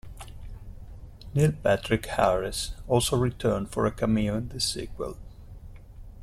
Neil Patrick Harris also returned for a cameo in this sequel.